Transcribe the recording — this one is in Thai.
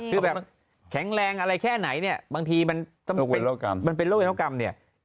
คือแบบแข็งแรงอะไรแค่ไหนเนี่ยบางทีมันต้องเป็นโรคเวนโรคกรรมมันเป็นโรคเวนโรคกรรมเนี่ย